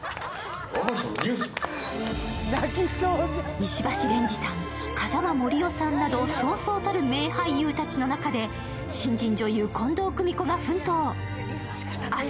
石橋蓮司さん、風間杜夫さんなどそうそうたる名俳優たちの中で新人女優、近藤くみこが奮闘。